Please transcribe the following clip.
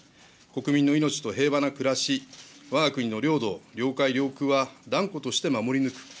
国民の命と平和な暮らし、わが国の領土、領海、領空は、断固として守り抜く。